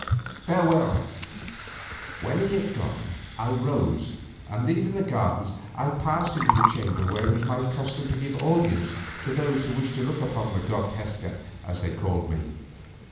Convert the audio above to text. Farewell." When he had gone I rose, and leaving the gardens I passed into the chamber where it was my custom to give audience to those who wished to look upon the god Tezcat as they called me.